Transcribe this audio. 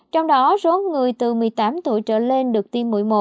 trong đó số người từ một mươi tám tuổi trở lên được tiêm một mươi một